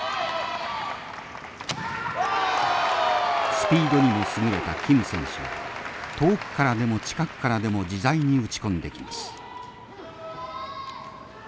スピードにも優れたキム選手は遠くからでも近くからでも自在に打ち込んできます。